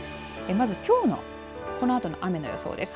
まず、きょうのこのあとの雨の予報です。